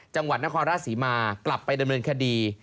จังหวัดนครราชศรีมากลับไปดำเนินคดี